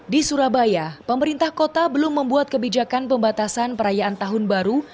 di surabaya pemerintah kota belum membuat kebijakan pembatasan perayaan tahun baru